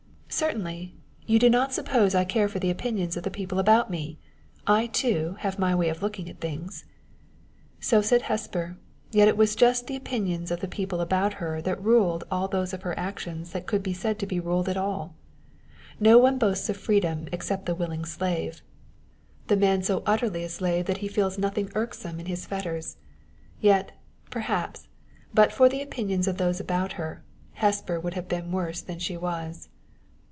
"Certainly. You do not suppose I care for the opinions of the people about me! I, too, have my way of looking at things." So said Hesper; yet it was just the opinions of the people about her that ruled all those of her actions that could be said to be ruled at all. No one boasts of freedom except the willing slave the man so utterly a slave that he feels nothing irksome in his fetters. Yet, perhaps, but for the opinions of those about her, Hesper would have been worse than she was.